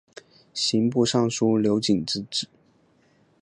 刑部尚书刘璟之子。